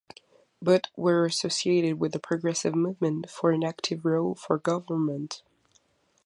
Both were associated with the Progressive movement for an active role for government.